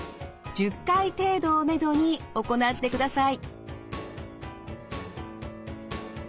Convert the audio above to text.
１０回を目安に行ってください。